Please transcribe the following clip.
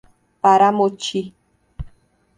Paramoti